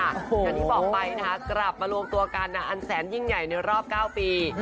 อย่างที่บอกไปนะคะกลับมารวมตัวกันอันแสนยิ่งใหญ่ในรอบ๙ปี